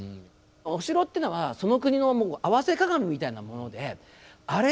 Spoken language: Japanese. お城っていうのはその国の合わせ鏡みたいなものであれ